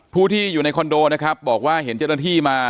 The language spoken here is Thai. ผู้ที่อยู่ในคอนโดนะครับบอกว่าเห็นเจ้าหน้าที่มา